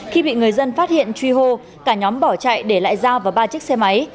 khi bị người dân phát hiện truy hô cả nhóm bỏ chạy để lại dao và ba chiếc xe máy